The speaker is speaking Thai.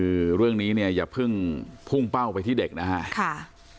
คือเรื่องนี้เนี่ยอย่าเพิ่งพุ่งเป้าไปที่เด็กนะฮะค่ะ